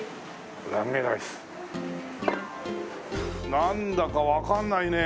なんだかわかんないねえ